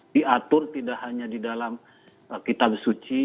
diatur tidak hanya di dalam kitab suci